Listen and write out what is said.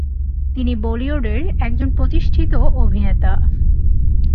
তিনি বলিউডের একজন প্রতিষ্ঠিত অভিনেতা।